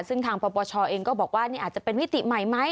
ซึ่งทางปปชเองก็บอกว่านี่อาจจะเป็นมิติใหม่ไหม